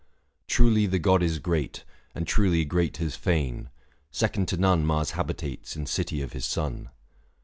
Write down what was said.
Truly the god is great, And truly great his fane ; second to none 625 Mars habitates in city of his son.